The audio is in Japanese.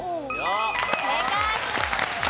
正解。